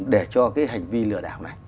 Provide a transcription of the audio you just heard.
để cho cái hành vi lừa đảo này